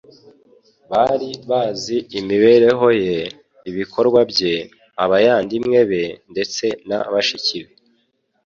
bari bazi imibereho ye, ibikorwa bye, abayandimwe be, ndetse na bashiki be.